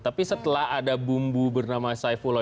tapi setelah ada bumbu bernama saifullah